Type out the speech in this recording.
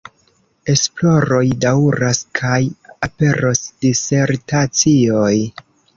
Esploroj daŭras kaj aperos disertacioj.